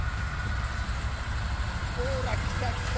ほら来た来た！